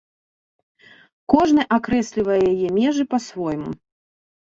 Кожны акрэслівае яе межы па-свойму.